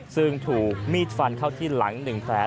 ซึ่งถูกมีดฟันเข้าที่หลัง๑แผล